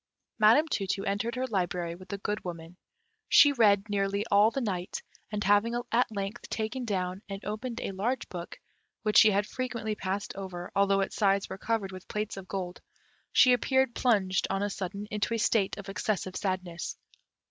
Madame Tu tu entered her library with the Good Woman. She read nearly all the night, and having at length taken down and opened a large book, which she had frequently passed over, although its sides were covered with plates of gold, she appeared plunged, on a sudden, into a state of excessive sadness.